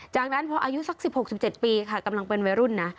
จากนั้นพออายุสัก๑๖๑๗ปีค่ะกำลังเป็นวัยรุ่นนะ